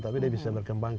tapi dia bisa berkembang